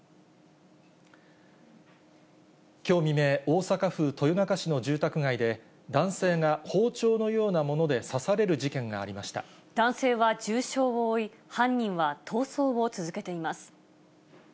きょう未明、大阪府豊中市の住宅街で、男性が包丁のようなもので男性は重傷を負い、犯人は逃走を続けています。